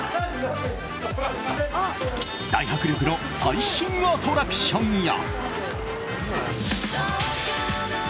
大迫力の最新アトラクションや。